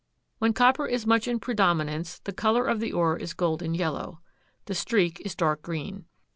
When copper is much in predominance the color of the ore is golden yellow. The streak is dark green.